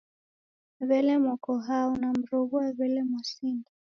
W'ele moko hao, namroghua w'ele mwasinda?